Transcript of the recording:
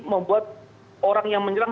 membuat orang yang menyerang